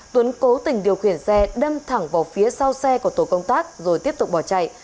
tuấn cố tình điều khiển xe đâm thẳng vào phía sau xe của tổ công tác rồi tiếp tục bỏ chạy